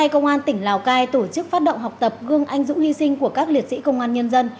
công an tỉnh lào cai tổ chức phát động học tập gương anh dũng hy sinh của các liệt sĩ công an nhân dân